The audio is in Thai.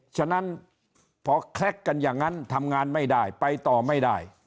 ฉะนั้นพอแคล็กกันอย่างนั้นทำงานไม่ได้ไปต่อไม่ได้